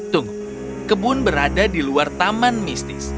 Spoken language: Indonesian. tunggu kebun berada di luar taman mistis